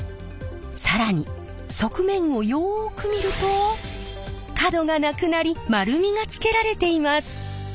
更に側面をよく見ると角がなくなり丸みがつけられています。